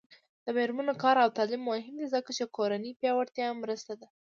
د میرمنو کار او تعلیم مهم دی ځکه چې کورنۍ پیاوړتیا مرسته ده.